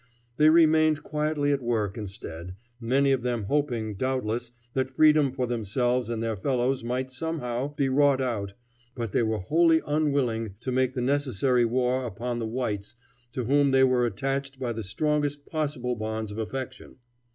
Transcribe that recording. They remained quietly at work instead, many of them hoping, doubtless, that freedom for themselves and their fellows might somehow be wrought out, but they were wholly unwilling to make the necessary war upon the whites to whom they were attached by the strongest possible bonds of affection.